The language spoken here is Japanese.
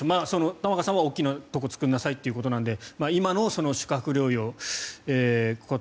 玉川さんは大きいところを作りなさないということなので今の宿泊療養抗体